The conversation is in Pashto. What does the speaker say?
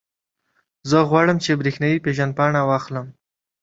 زه غواړم، چې برېښنایي پېژندپاڼه واخلم.